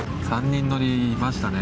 ３人乗りいましたね。